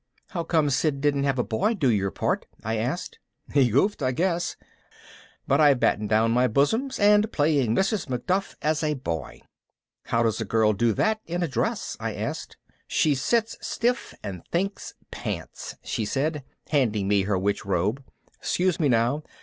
"How come Sid didn't have a boy do your part?" I asked. "He goofed, I guess. But I've battened down my bosoms and playing Mrs. Macduff as a boy." "How does a girl do that in a dress?" I asked. "She sits stiff and thinks pants," she said, handing me her witch robe. "'Scuse me now.